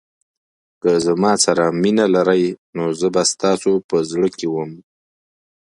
که زما سره مینه لرئ نو زه به ستاسو په زړه کې وم.